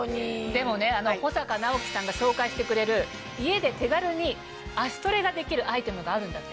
でもねあの保阪尚希さんが紹介してくれる家で手軽に脚トレができるアイテムがあるんだって。